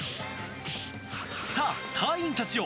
さあ、隊員たちよ！